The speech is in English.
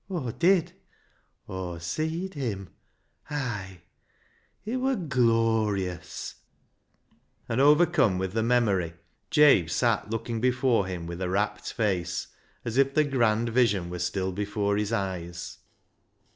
Aw did ! Aw seed Him. Hay, it wur glorious ;" and, overcome with the memory, Jabe sat looking before him with a rapt face, as if the grand vision were still before his eyes.